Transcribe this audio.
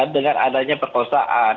dengan adanya perkosaan